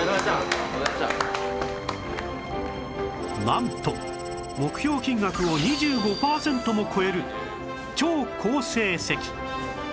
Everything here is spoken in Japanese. なんと目標金額を２５パーセントも超える超好成績